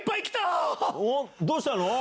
どうしたの？